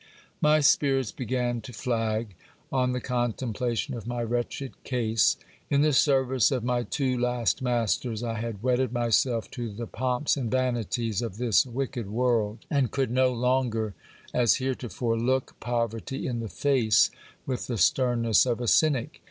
My spirits began to flag, on the contemplation of my wretched case. In the service of my two last masters I had wedded myself to the pomps and vanities of this wicked world ; and could no longer, as heretofore, look poverty in the fa;e with the sternness of a cynic.